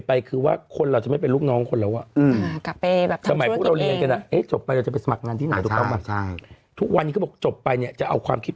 ผ่านอาหารให้บัวด้วยซึ่งหาบัว